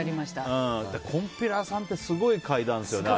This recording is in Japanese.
金毘羅さんってすごい階段ですよね。